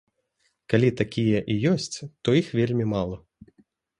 Калі такія і ёсць, то іх вельмі мала.